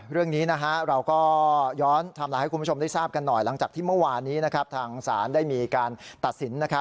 เรื่องนี้เราก็ย้อนไทม์ไลน์ให้คุณผู้ชมได้ทราบกันหน่อยหลังจากที่เมื่อวานนี้ทางศาลได้มีการตัดสิน